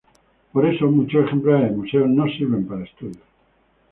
Por eso muchos ejemplares de museo no sirven para estudios.